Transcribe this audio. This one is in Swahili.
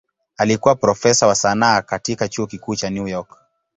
Alikuwa profesa wa sanaa katika Chuo Kikuu cha New York.